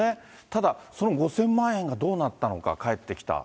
ただ、その５０００万円がどうなったのか、返ってきた。